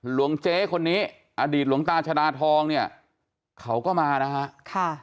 หลวงเจ๊คนนี้อดีตหลวงตาชดาทองเนี่ยเขาก็มานะฮะค่ะ